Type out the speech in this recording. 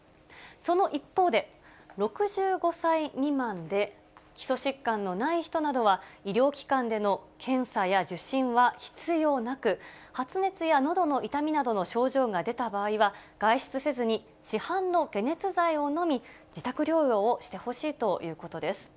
その一方で、６５歳未満で、基礎疾患のない人などは、医療機関での検査や受診は必要なく、発熱やのどの痛みなどの症状が出た場合は、外出せずに、市販の解熱剤を飲み、自宅療養をしてほしいということです。